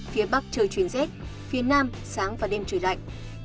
phía bắc trời chuyển rét phía nam sáng và đêm trời lạnh